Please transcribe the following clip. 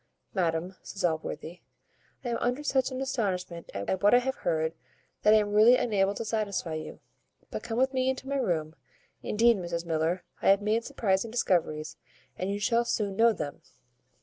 "Madam," says Allworthy, "I am under such an astonishment at what I have heard, that I am really unable to satisfy you; but come with me into my room. Indeed, Mrs Miller, I have made surprizing discoveries, and you shall soon know them."